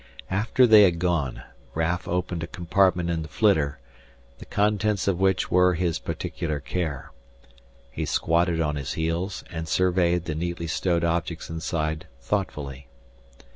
After they had gone, Raf opened a compartment in the flitter, the contents of which were his particular care. He squatted on his heels and surveyed the neatly stowed objects inside thoughtfully.